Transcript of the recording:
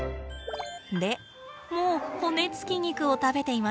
でもう骨付き肉を食べています。